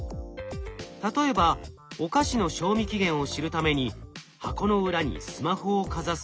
例えばお菓子の賞味期限を知るために箱の裏にスマホをかざすと。